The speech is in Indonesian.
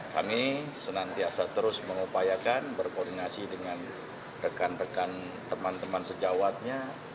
kami senantiasa terus mengupayakan berkoordinasi dengan rekan rekan teman teman sejawatnya